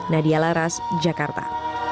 nadia laras jakarta